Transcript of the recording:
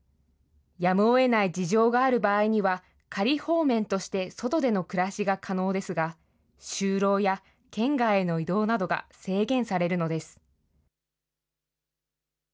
やむをえない事情がある場合には、仮放免として外での暮らしが可能ですが、就労や県外への移動などが制限されるのです。